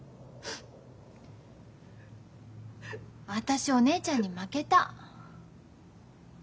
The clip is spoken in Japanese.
私お姉ちゃんに負けた。